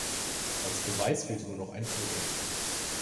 Als Beweis fehlte nur noch ein Foto.